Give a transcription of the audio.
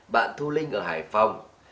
bạn thu linh ở hải phòng